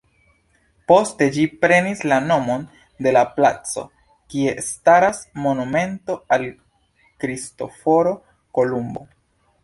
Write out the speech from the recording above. Poste ĝi prenis la nomon de la placo kie staras monumento al Kristoforo Kolumbo.